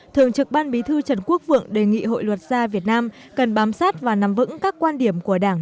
thường trực ban bí thư trần quốc vượng đề nghị hội luật gia việt nam cần bám sát và nắm vững các quan điểm của đảng